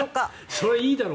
それはいいだろ。